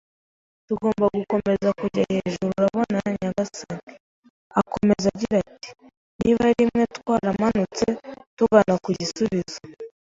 “Tugomba gukomeza kujya hejuru. Urabona, nyagasani, "akomeza agira ati:" niba rimwe twaramanutse tugana ku gisubizo